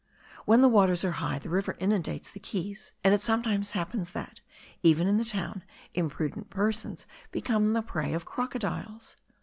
When the waters are high, the river inundates the quays; and it sometimes happens that, even in the town, imprudent persons become the prey of crocodiles.